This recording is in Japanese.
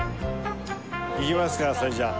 行きますかそれじゃあ。